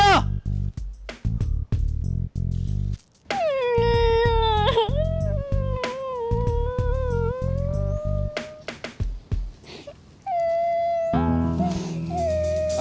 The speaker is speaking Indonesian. takut dengan suara harimau